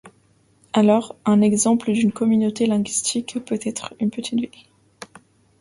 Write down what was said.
Alors, un exemple d'une communauté linguistique peut être une petite ville.